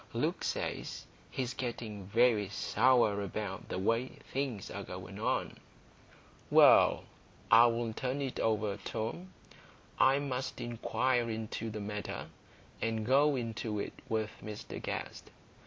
Luke says he's getting very sour about the way things are going on." "Well, I'll turn it over, Tom. I must inquire into the matter, and go into it with Mr Guest.